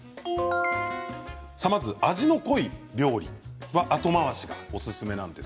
まず味の濃い料理は後回しがおすすめなんです。